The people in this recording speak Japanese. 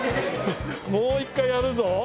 もう一回やるぞこれ。